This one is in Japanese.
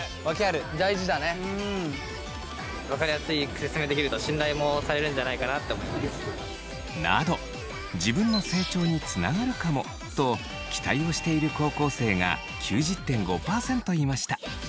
大事だね。など自分の成長につながるかもと期待をしている高校生が９０．５％いました。